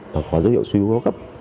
hoặc có dấu hiệu suy hô hấp cấp